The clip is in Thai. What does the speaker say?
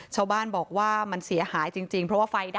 ชาวบ้านบอกว่ามันเสียหายจริงเพราะว่าเฟ้าเกี่ยวด้วยนะ